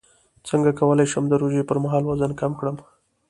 څنګه کولی شم د روژې پر مهال وزن کم کړم